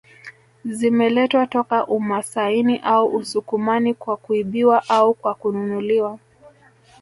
Zimeletwa toka umasaini au usukumani kwa kuibiwa au kwa kununuliwa